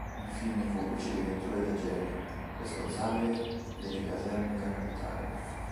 Infine fu vice direttore del genio, responsabile delle caserme della capitale.